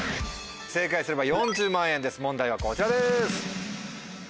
正解すれば４０万円です問題はこちらです。